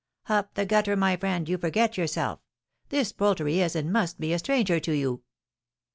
"Hop the Gutter, my friend, you forget yourself; this poultry is and must be a stranger to you."